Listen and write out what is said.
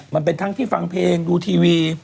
มันเป็นทั้งที่ฟังเพลงดูทีวี